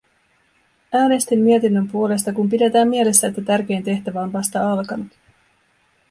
Äänestin mietinnön puolesta, kun pidetään mielessä, että tärkein tehtävä on vasta alkanut.